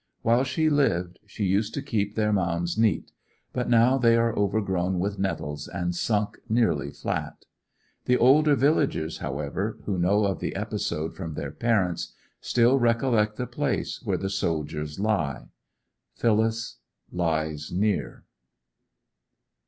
While she lived she used to keep their mounds neat; but now they are overgrown with nettles, and sunk nearly flat. The older villagers, however, who know of the episode from their parents, still recollect the place where the soldiers lie. Phyllis lies near.